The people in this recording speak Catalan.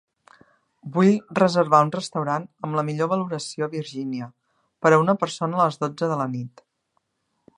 Vull reservar un restaurant amb la millor valoració a Virginia per a una persona a les dotze de la nit.